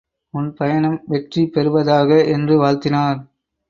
உன் பயணம் வெற்றி பெறுவதாக! என்று வாழ்த்தினார்.